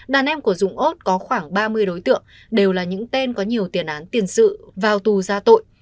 đàn em của dũng ốt có khoảng ba mươi đối tượng đều là những tên có nhiều tiền án tiền sự vào tù ra tội